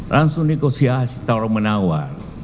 langsung negosiasi taruh menawar